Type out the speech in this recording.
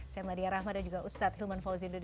saya madya rahmada juga ustadz hilman fawzi daudiri